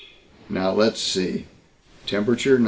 Now let's see temperature 99.